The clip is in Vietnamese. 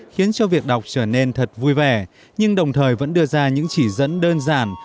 khiến cho việc đọc trở nên thật vui vẻ nhưng đồng thời vẫn đưa ra những chỉ dẫn đơn giản